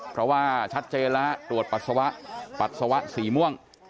เพราะว่าชัดเจนแล้วตรวจปัสสาวะปัสสาวะสีม่วง